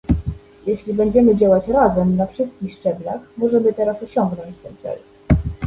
Jeśli będziemy działać razem, na wszystkich szczeblach, możemy teraz osiągnąć ten cel